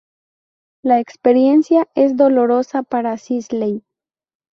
La experiencia es dolorosa para Sisley.